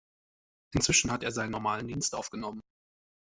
Inzwischen hat er seinen normalen Dienst aufgenommen.